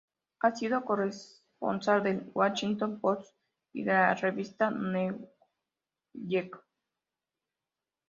Ha sido corresponsal del "Washington Post" y de la revista "Newsweek".